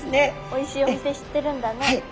おいしいお店知ってるんだね。